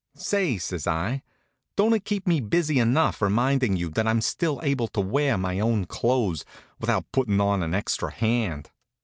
"Say," says I, "don't it keep me busy enough remindin' you that I'm still able to wear my own clothes, without puttin' on an extra hand?"